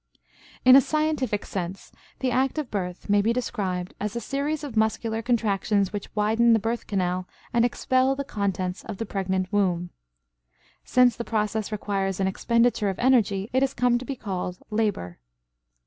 In a scientific sense the act of birth may be described as a series of muscular contractions which widen the birth canal and expel the contents of the pregnant womb. Since the process requires an expenditure of energy, it has come to be called labor.